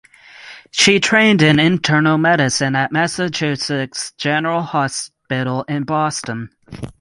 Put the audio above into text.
She trained in internal medicine at Massachusetts General Hospital in Boston.